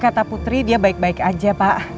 kata putri dia baik baik aja pak